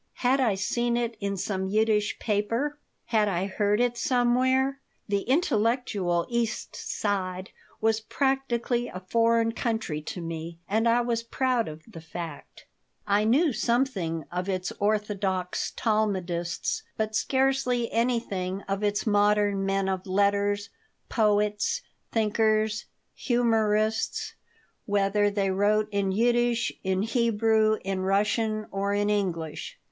Had I seen it in some Yiddish paper? Had I heard it somewhere? The intellectual East Side was practically a foreign country to me, and I was proud of the fact. I knew something of its orthodox Talmudists, but scarcely anything of its modern men of letters, poets, thinkers, humorists, whether they wrote in Yiddish, in Hebrew, in Russian, or in English.